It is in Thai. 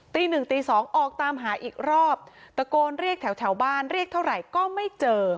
ตีหนึ่งตีสองออกตามหาอีกรอบตะโกนเรียกแถวแถวบ้านเรียกเท่าไหร่ก็ไม่เจอ